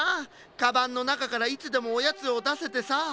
カバンのなかからいつでもおやつをだせてさ。